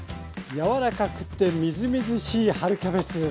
柔らかくてみずみずしい春キャベツ。